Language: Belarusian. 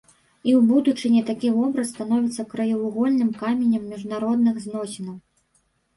І ў будучыні такі вобраз становіцца краевугольным каменем міжнародных зносінаў.